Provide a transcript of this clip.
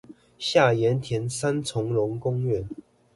下鹽田三欉榕公園